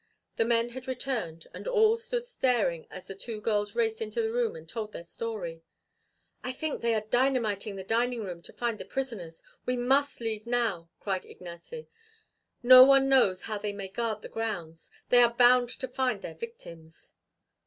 The men had returned, and all stood staring as the two girls raced into the room and told their story. "I think they are dynamiting the dining room to find the prisoners. We must leave now," cried Ignace. "No one knows how they may guard the grounds. They are bound to find their victims."